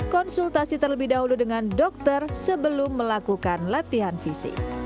konsultasi terlebih dahulu dengan dokter sebelum melakukan latihan fisik